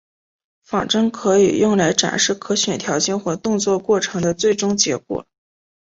仿真可以用来展示可选条件或动作过程的最终结果。